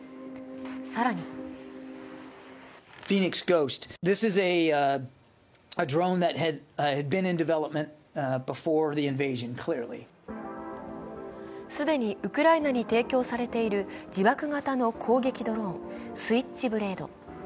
更に既にウクライナに提供されている自爆型の攻撃ドローン、スイッチブレード。